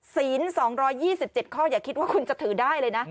ศีล๒๒๗ข้ออย่าคิดว่าคุณจะถือได้เลยนะ